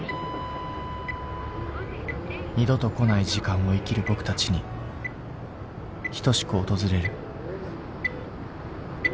二度とこない時間を生きる僕たちに等しく訪れる。